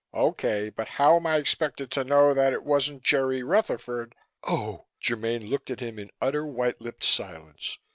"Okay, but how am I expected to know that it wasn't Jerry Rutherford " "Oh!" Germaine looked at him in utter, white lipped silence.